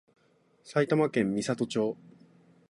埼玉県美里町